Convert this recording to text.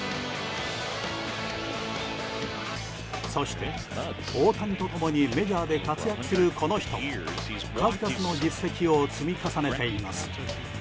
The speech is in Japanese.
そして、大谷と共にメジャーで活躍するこの人も数々の実績を積み重ねています。